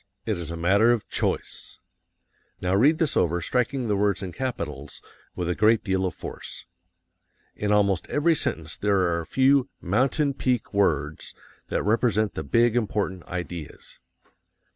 It is a matter of CHOICE." Now read this over, striking the words in capitals with a great deal of force. In almost every sentence there are a few MOUNTAIN PEAK WORDS that represent the big, important ideas.